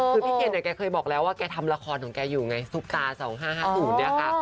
คือพี่เคนเนี่ยแกเคยบอกแล้วว่าแกทำละครของแกอยู่ไงซุปตา๒๕๕๐เนี่ยค่ะ